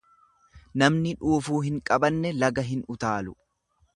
Namni dhuufuu hin qabanne laga hin utaalu.